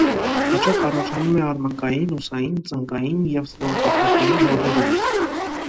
Հաճախ առաջանում է արմնկային, ուսային, ծնկային և սրունքաթաթային հոդերում։